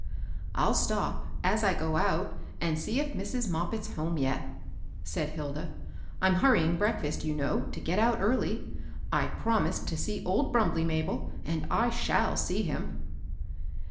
" I'll stop, as I go out, and see if Mrs. Moppit's home yet," said Hilda. " I'm hurrying breakfast, you know, to get out early. I promised to see old Brumbley, Mabel, and I shall see him."